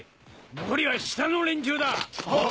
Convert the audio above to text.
残りは下の連中だ！はっ。